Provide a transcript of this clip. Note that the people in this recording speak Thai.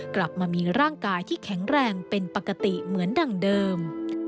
กลับมามีร่างกายที่แข็งแรงเป็นปกติเหมือนดังเดิม